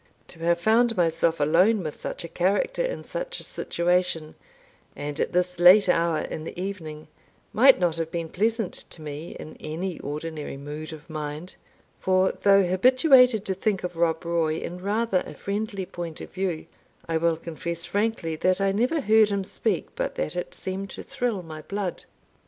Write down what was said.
To have found myself alone with such a character in such a situation, and at this late hour in the evening, might not have been pleasant to me in any ordinary mood of mind; for, though habituated to think of Rob Roy in rather a friendly point of view, I will confess frankly that I never heard him speak but that it seemed to thrill my blood.